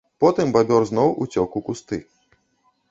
Потым бабёр зноў уцёк у кусты.